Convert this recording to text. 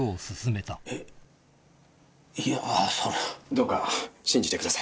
どうか信じてください。